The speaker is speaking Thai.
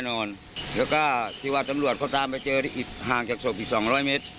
แน่แล้วก็ที่วัดตำรวจเขาตามไปเจอที่ห่างจากศพอีก๒๐๐เมตร